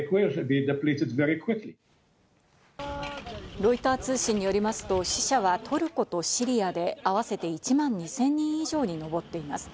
ロイター通信によりますと死者はトルコとシリアで合わせて１万２０００人以上に上っています。